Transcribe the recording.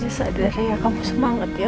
jess sadar ya kamu semangat ya